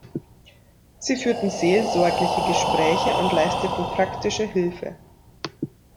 Sie führten seelsorgliche Gespräche und leisteten praktische Hilfe.